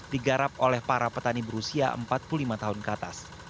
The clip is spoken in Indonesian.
digarap oleh para petani berusia empat puluh lima tahun ke atas